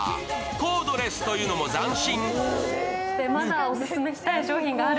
コードレスというのも斬新。